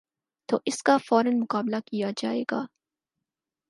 تو اس کا فورا مقابلہ کیا جائے گا۔